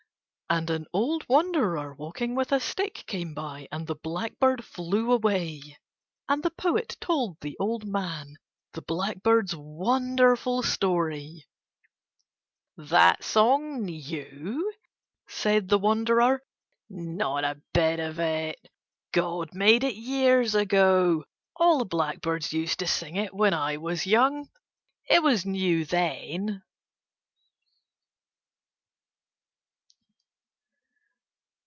And an old wanderer walking with a stick came by and the blackbird flew away, and the poet told the old man the blackbird's wonderful story. "That song new?" said the wanderer. "Not a bit of it. God made it years ago. All the blackbirds used to sing it when I was young. It was new then."